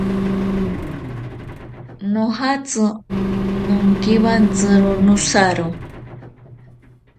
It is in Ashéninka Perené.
Nojatsi nonkiwantsiro nosaro.